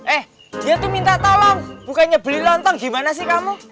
eh dia tuh minta tolong bukannya beli lontong gimana sih kamu